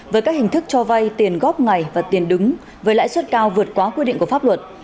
với các hình thức cho vay tiền góp ngày và tiền đứng với lãi suất cao vượt quá quy định của pháp luật